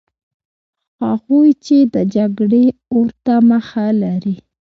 هغوی چې د جګړې اور ته مخه لري.